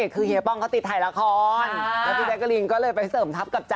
คือเฮียป้องเขาติดถ่ายละครแล้วพี่แจ๊กกะลินก็เลยไปเสริมทัพกับจ๊